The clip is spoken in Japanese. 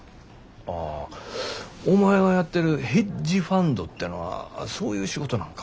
ああお前がやってるヘッジファンドてのはそういう仕事なんか。